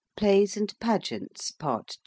PLAYS AND PAGEANTS. PART II.